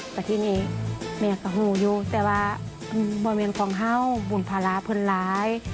แต่ที่นี่แม่ก็ฮูอยู่แต่ว่าเมืองของเขาบุญภาระเผินหลาย